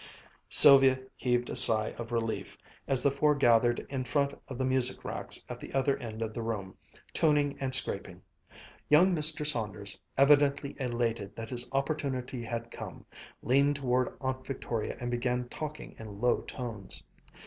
Sylvia heaved a sigh of relief as the four gathered in front of the music racks at the other end of the room, tuning and scraping. Young Mr. Saunders, evidently elated that his opportunity had come, leaned toward Aunt Victoria and began talking in low tones.